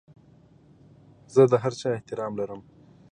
زه د هر چا احترام لرم.